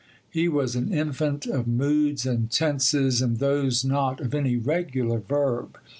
He was an infant of moods and tenses, and those not of any regular verb.